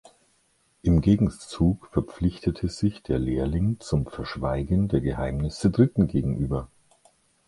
Im Gegenzug verpflichtete sich der Lehrling zum „Verschweigen der Geheimnisse Dritten gegenüber“.